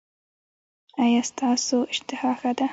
ایا ستاسو اشتها ښه ده؟